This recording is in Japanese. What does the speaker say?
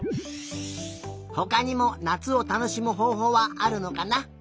ほかにもなつをたのしむほうほうはあるのかな？